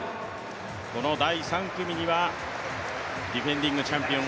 この第３組にはディフェンディングチャンピオン